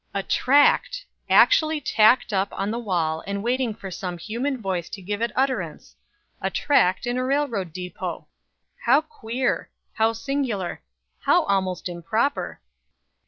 A tract! actually tacked up on the wall, and waiting for some human voice to give it utterance! A tract in a railroad depot! How queer! how singular! how almost improper!